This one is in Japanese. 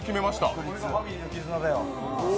これがファミリーの絆だよ。